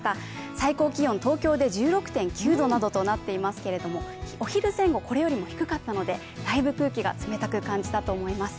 最高気温、東京で１６．９度となっていますけれどもお昼前後、これよりも低かったので、大分寒く感じだと思います。